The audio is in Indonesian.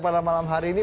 pada malam hari ini